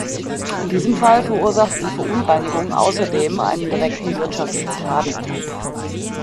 In diesem Fall verursacht die Verunreinigung außerdem einen direkten wirtschaftlichen Schaden.